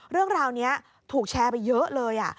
เรื่องราวนี้ถูกแชร์ไปเยอะเลย